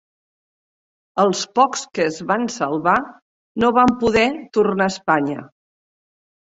Els pocs que es van salvar no van poder tornar a Espanya.